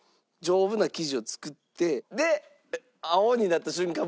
丈夫な生地を作ってで青になった瞬間